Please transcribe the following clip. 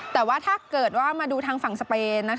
แต่ว่าถ้าเกิดว่ามาดูทางฝั่งสเปน